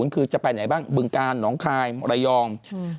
คือจะไปไหนบ้างบึงกาลหนองคายระยอง